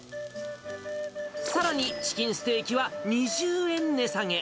さらに、チキンステーキは２０円値下げ。